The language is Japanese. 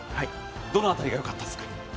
どの辺りがよかったですか？